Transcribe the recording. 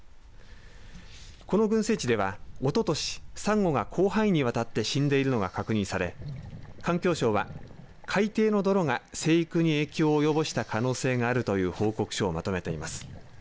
この群生地では、おととしサンゴが広範囲にわたって死んでいるのが確認され環境省は、海底の泥が生育に影響を及ぼした可能性があるという報告書をまとめています。